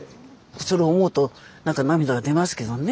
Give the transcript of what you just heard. それを思うとなんか涙が出ますけどね。